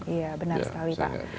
iya benar sekali pak